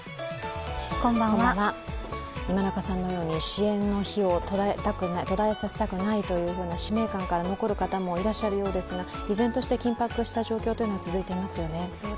今中さんのように支援の火を途絶えさせたくないという使命感から残る方もいらっしゃるようですが依然として緊迫した状況というのは続いていますね。